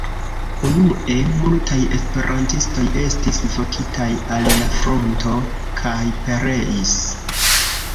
Unue, multaj esperantistoj estis vokitaj al la fronto kaj pereis.